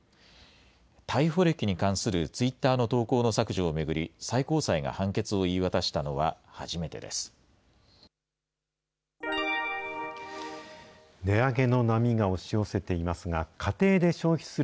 逮捕歴に関するツイッターの投稿の削除を巡り、最高裁が判決を言い渡したのは初めてです。